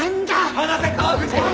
離せ川藤！